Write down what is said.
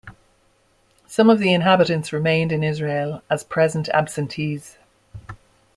Some of the inhabitants remained in Israel as present absentees.